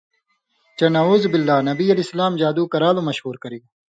چے نعوذ باللہ نبی علیہ السلام جادوکران٘لہ مشہور کرِگ۔